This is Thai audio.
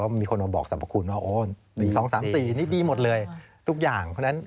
มีคนมาบอกสรรพคุณว่าโอน๒๓๔นี่ดีหมดเลยทุกอย่างเพราะฉะนั้น